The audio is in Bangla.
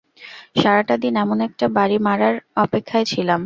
সারাটা দিন এমন একটা বাড়ি মারার অপেক্ষায় ছিলাম।